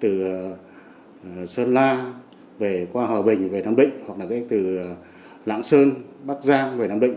từ sơn la về hòa bình về nam định hoặc là từ lãng sơn bắc giang về nam định